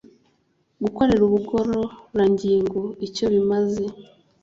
gukorera ubugororangingo icyo bimaze